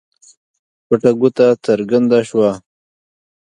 پټه ګوته څرګنده شوه.